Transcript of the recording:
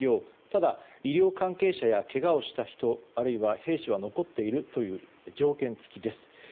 ただ、医療関係者やけがをした人あるいは兵士は残っているという条件付きです。